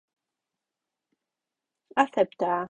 ¿Acéptaa?